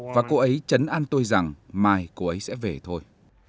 và cô ấy chấn an tôi rằng mai cô ấy sẽ về thôi